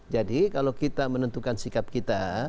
jadi kalau kita menentukan sikap kita